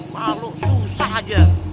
malu susah aja